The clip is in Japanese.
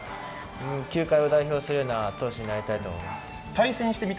球界を代表するような投手になりたいとお思います。